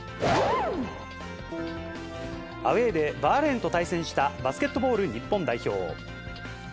アウエーでバーレーンと対戦した、バスケットボール日本代表。